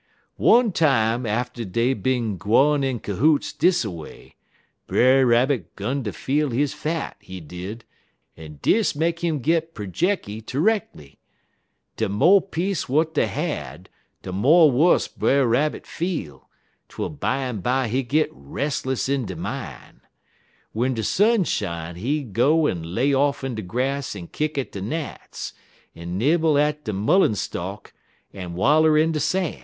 "One time atter dey bin gwine in cohoots dis a way, Brer Rabbit 'gun ter feel his fat, he did, en dis make 'im git projecky terreckly. De mo' peace w'at dey had, de mo' wuss Brer Rabbit feel, twel bimeby he git restless in de min'. W'en de sun shine he'd go en lay off in de grass en kick at de gnats, en nibble at de mullen stalk en waller in de san'.